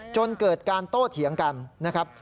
จนเกิดการโต้เถียงกันนะครับ